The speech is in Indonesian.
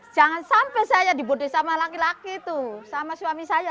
jangan sampai saya dibude sama laki laki itu sama suami saya